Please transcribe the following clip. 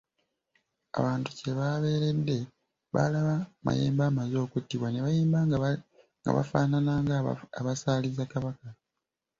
Abantu kye babeeredde, baalaba Mayembe amaze okuttibwa ne bayimbanga nga bafaanana ng'abasaaliza Kabaka.